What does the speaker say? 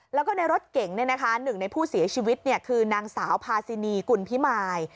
แล้วก็ในรถเก๋งหนึ่งในผู้เสียชีวิตคือนางสาวพาซินีกุลพิมาย